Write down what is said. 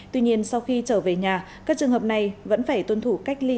tuy nhiên sau khi trở về nhà các trường hợp này vẫn phải tuân thủ cách ly